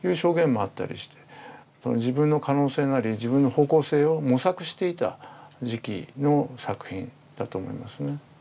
自分の可能性なり自分の方向性を模索していた時期の作品だと思いますね。